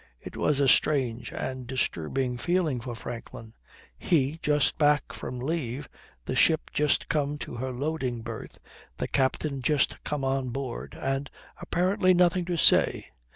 It was a strange and disturbing feeling for Franklin. He, just back from leave, the ship just come to her loading berth, the captain just come on board, and apparently nothing to say!